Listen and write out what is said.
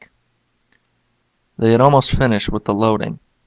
_ They had almost finished with the loading.